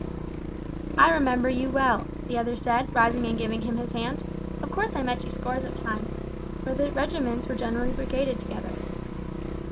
"I remember you well," the other said, rising and giving him his hand. "Of course I met you scores of times, for the regiments were generally brigaded together."